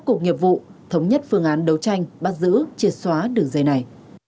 cục nghiệp vụ thống nhất phương án đấu tranh bắt giữ triệt xóa đường dây này